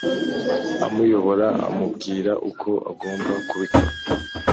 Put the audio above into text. amuyobora, amubwira uko agomba kubikora